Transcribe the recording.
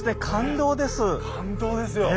感動ですよ。